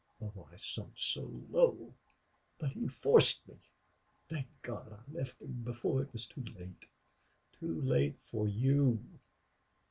Oh, I sunk so low! But he forced me.... Thank God I left him before it was too late too late for you."